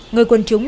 người quần chúng